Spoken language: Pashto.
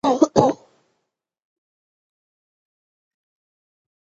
د وېرونو د لوندېدو له امله وي، دا هم کېدای شول.